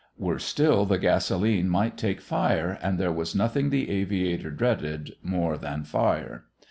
Worse still, the gasolene might take fire and there was nothing the aviator dreaded more than fire.